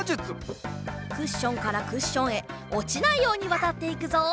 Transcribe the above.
クッションからクッションへおちないようにわたっていくぞ。